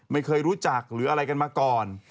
ไม่เคยรู้จักหรืออะไรกันมาก่อน